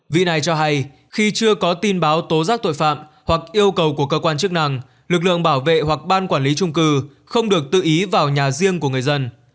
vị này cho hay khi chưa có tin báo tố giác tội phạm hoặc yêu cầu của cơ quan chức năng lực lượng bảo vệ hoặc ban quản lý trung cư không được tự ý vào nhà riêng của người dân